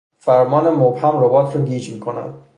فرمان مبهم روبات را گیج می کند.